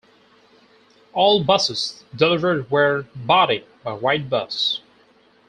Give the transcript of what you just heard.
All buses delivered were bodied by Wrightbus.